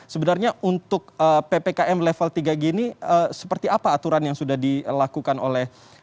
sebenarnya untuk ppkm level tiga g ini seperti apa aturan yang sudah dilakukan oleh